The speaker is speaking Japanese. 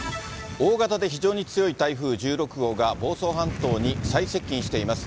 大型で非常に強い台風１６号が、房総半島に最接近しています。